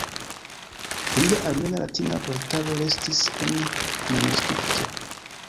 Lia armena-latina vortaro restis en manuskripto.